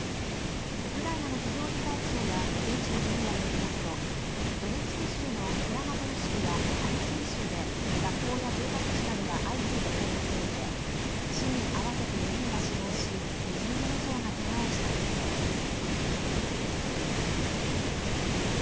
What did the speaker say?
ウクライナの非常事態庁や現地のメディアによりますとドネツク州のクラマトルシクやハルキウ州で学校や住宅地などが相次いで砲撃を受け市民、合わせて４人が死亡し２０人以上がけがをしたということです。